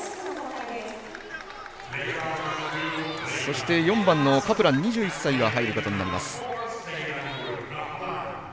そして４番のカプラン、２１歳が入ることになります。